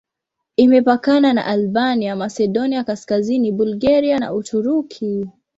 Imepakana na Albania, Masedonia Kaskazini, Bulgaria na Uturuki.